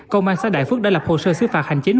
công an xã đại phước đã lập hồ sơ xứ phạt hành chính